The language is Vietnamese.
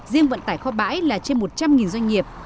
riêng vận tải kho bãi là trên một trăm linh doanh nghiệp